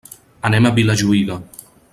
Anem a Vilajuïga.